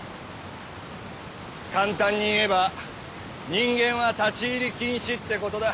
簡単に言えば人間は立ち入り禁止ってことだ。